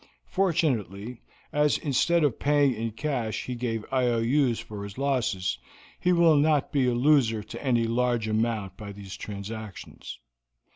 Fortunately, as instead of paying in cash he gave IOUs for his losses, he will not be a loser to any large amount by these transactions.